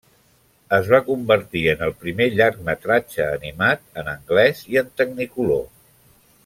Es va convertir en el primer llargmetratge animat en anglès i en tecnicolor.